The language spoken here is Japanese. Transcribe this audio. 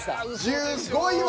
１４位は。